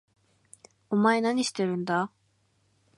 お前何してるんだ？